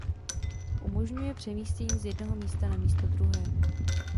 Umožňuje přemístění z jednoho místa na místo druhé.